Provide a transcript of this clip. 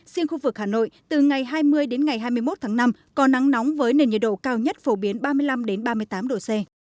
riêng khu vực hà nội từ ngày hai mươi đến ngày hai mươi một tháng năm có nắng nóng với nền nhiệt độ cao nhất phổ biến ba mươi năm ba mươi tám độ c